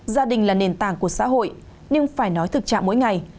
gia đình là nền tảng của xã hội nhưng phải nói thực trạng mỗi ngày